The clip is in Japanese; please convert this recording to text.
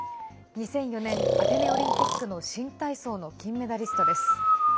２００４年アテネオリンピックの新体操の金メダリストです。